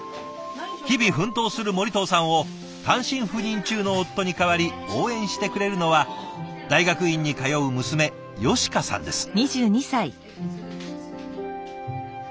日々奮闘する森藤さんを単身赴任中の夫に代わり応援してくれるのは大学院に通う娘佳香さんです。